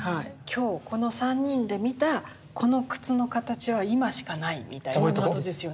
今日この３人で見たこの靴の形は今しかないみたいなことですよね。